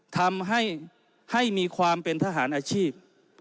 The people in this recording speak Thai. ทำให้มีความเป็นทหารอาชีพ